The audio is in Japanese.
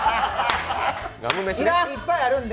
いっぱいあるんで。